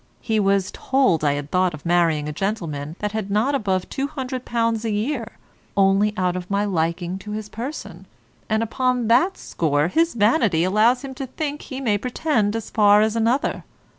He was told I had thought of marrying a gentleman that had not above two hundred pound a year, only out of my liking to his person. And upon that score his vanity allows him to think he may pretend as far as another.